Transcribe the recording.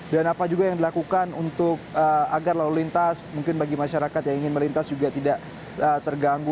dan apa juga yang dilakukan untuk agar lalu lintas mungkin bagi masyarakat yang ingin melintas juga tidak terganggu